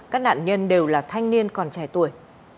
các nạn nhân đều là thanh niên còn trẻ tuổi